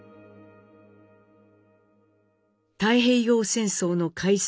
太平洋戦争の開戦